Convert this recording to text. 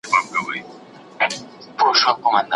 د ارغنداب سیند د کندهار د خلکو حافظې برخه ده.